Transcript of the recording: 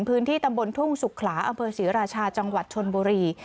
พื้นที่ตำบลทุ่งสุขลาอำเภอศรีราชาจังหวัดชนบุรี